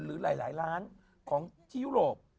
หรือหลายล้านของที่ยุโรป